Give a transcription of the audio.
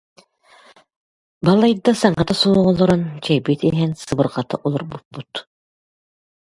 Балайда, саҥата суох олорон, чэйбитин иһэн сыбырҕата олорбуппут